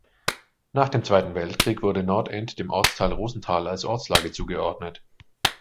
Nach dem Zweiten Weltkrieg wurde Nordend dem Ortsteil Rosenthal als Ortslage zugeordnet.